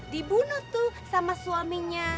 dibunuh tuh sama suaminya